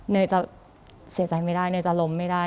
เนยจะเสียใจไม่ได้เนยจะล้มไม่ได้